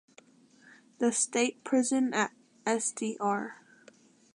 The State Prison at Sdr.